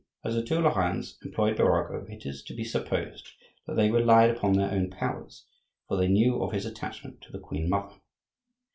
As the two Lorrains employed Birago, it is to be supposed that they relied upon their own powers; for they knew of his attachment to the queen mother.